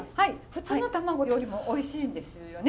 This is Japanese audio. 普通の卵よりもおいしいんですよね？